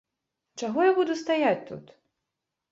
Чаго я буду стаяць тут?